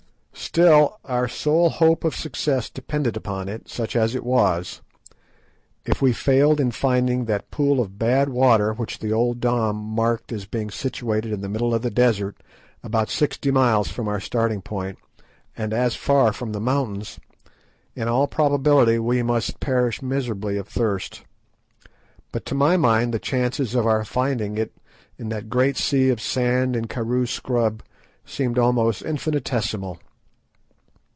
Still, our sole hope of success depended upon it, such as it was. If we failed in finding that pool of bad water which the old Dom marked as being situated in the middle of the desert, about sixty miles from our starting point, and as far from the mountains, in all probability we must perish miserably of thirst. But to my mind the chances of our finding it in that great sea of sand and karoo scrub seemed almost infinitesimal.